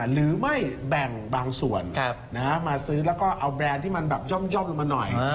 หรือไม่แบ่งบางส่วนมาซื้อแล้วก็เอาแบรนด์ที่มันแบบย่อมลงมาหน่อย